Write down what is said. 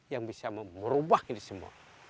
yang bisa merubah ini semua